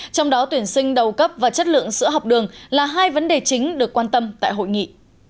trong đó tuyển sinh đầu cấp và chất lượng sữa học đường là hai vấn đề chính được quan tâm tại hội nghị